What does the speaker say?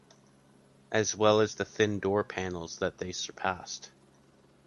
As well as the thin door panels that they surpassed.